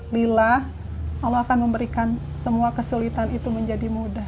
lila allah akan memberikan semua kesulitan itu menjadi mudah